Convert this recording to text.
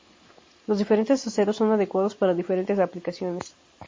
Los diferentes aceros son adecuados para diferentes aplicaciones.